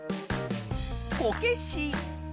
こけし。